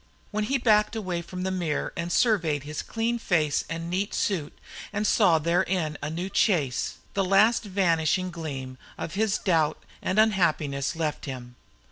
When he backed away from the mirror and surveyed his clean face and neat suit, and saw therein a new Chase, the last vanishing gleam of his doubt and unhappiness left him.